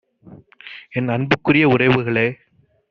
என் அன்புக்குரிய உறவுகளே